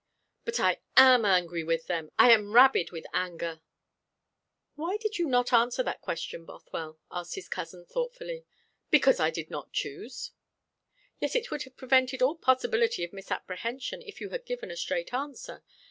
"But I am angry with them. I am rabid with anger." "Why did you not answer that question, Bothwell?" asked his cousin thoughtfully. "Because I did not choose." "Yet it would have prevented all possibility of misapprehension if you had given a straight answer.